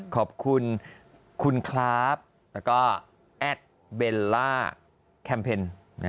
ขอบคุณคุณครับแล้วก็แอดเบลล่าแคมเพ็ญ